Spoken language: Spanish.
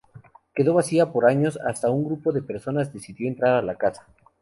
Quedó vacía por años hasta un grupo de personas decidió entrar en la casa.